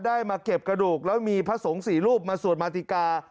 มาเก็บกระดูกแล้วมีพระสงฆ์สี่รูปมาสวดมาติกา